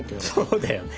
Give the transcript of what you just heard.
そうだよね。